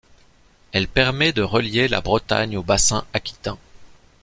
Elle permet de relier la Bretagne au Bassin aquitain.